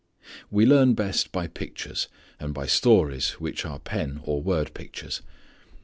We learn best by pictures, and by stories which are pen or word pictures.